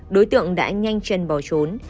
đối tượng đã nhanh chân bỏ trốn